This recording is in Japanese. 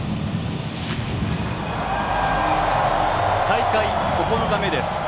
大会９日目です。